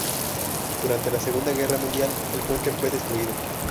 Durante la Segunda Guerra Mundial, el puente fue destruido.